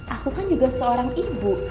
aku kan juga seorang ibu